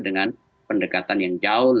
dengan pendekatan yang jauh